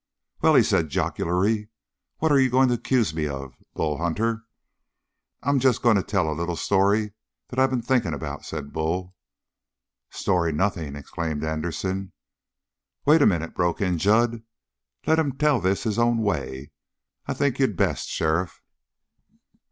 "Well," he said jocularly, "what you going to accuse me of, Bull Hunter?" "I'm just going to tell a little story that I been thinking about," said Bull. "Story nothing!" exclaimed Anderson. "Wait a minute," broke in Jud. "Let him tell this his own way I think you'd best, sheriff!"